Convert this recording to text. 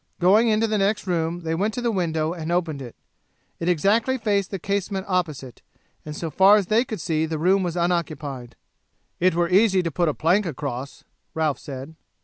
Going into the next room they went to the window and opened it. It exactly faced the casement opposite, and so far as they could see the room was unoccupied. "It were easy to put a plank across," Ralph said.